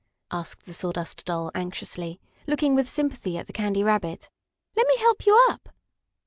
asked the Sawdust Doll anxiously, looking with sympathy at the Candy Rabbit. "Let me help you up!"